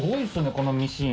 このミシン。